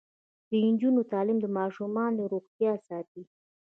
د نجونو تعلیم د ماشومانو روغتیا ساتي.